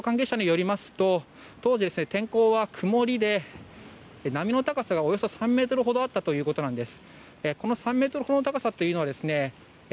地元の漁業関係者によりますと当時の天候は曇りで、波の高さがおよそ３ｍほどあったということなんです。